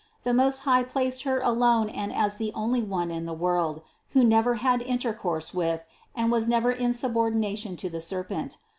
The Most High placed Her alone and as the only One in the world, who never had intercourse with, and never was in subordination to the serpent.